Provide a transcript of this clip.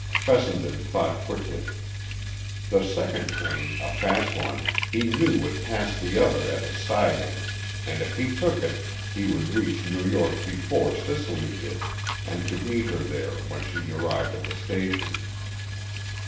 Fessenden thought quickly. The second train, a fast one, he knew would pass the other at a siding, and if he took it, he would reach New York before Cicely did, and could meet her there when she arrived at the station.